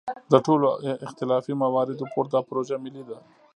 له ټولو اختلافي مواردو پورته دا پروژه ملي ده.